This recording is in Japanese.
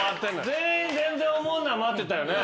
全員「全然おもんな」待ってたよね。